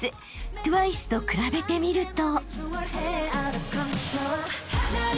［ＴＷＩＣＥと比べてみると］